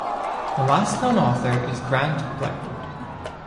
The last known author is Grant Blackwood.